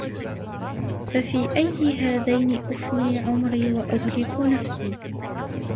فَفِي أَيِّ هَذَيْنِ أُفْنِي عُمْرِي وَأُهْلِكُ نَفْسِي